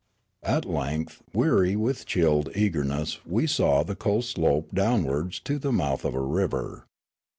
At length, weary with chilled eagerness, we saw the coast slope downwards to the mouth of a river.